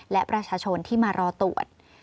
และประชาชนที่มารอตรวจ